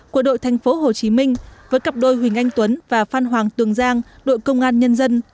của đội thành phố hồ chí minh với cặp đôi huỳnh anh tuấn và phan hoàng tường giang đội công an nhân dân